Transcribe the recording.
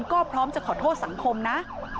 ก็พร้อมจะขอโทษสังคมนะ